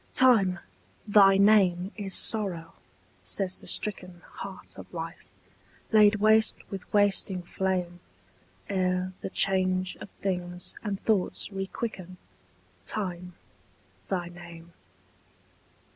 TIME, thy name is sorrow, says the stricken Heart of life, laid waste with wasting flame Ere the change of things and thoughts requicken, Time, thy name.